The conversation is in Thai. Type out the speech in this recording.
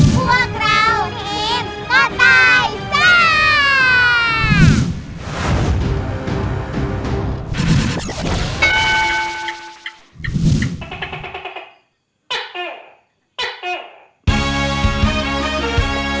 พวกเราคิดก็ตายซ่า